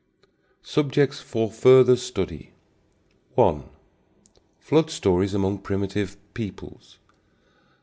Subjects for Further Study. (1) Flood Stories among Primitive Peoples.